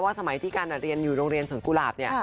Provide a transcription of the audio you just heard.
สมัยที่กันเรียนอยู่โรงเรียนสวนกุหลาบเนี่ย